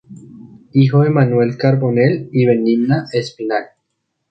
Hijo de Manuel Carbonell y Benigna Espinal.